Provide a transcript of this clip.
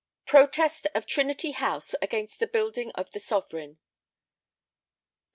VIII Protest of Trinity House against the Building of the Sovereign [=S.